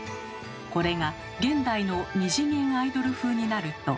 これが現代の２次元アイドル風になると。